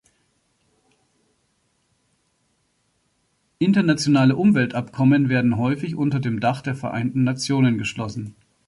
Internationale Umweltabkommen werden häufig unter dem Dach der Vereinten Nationen geschlossen.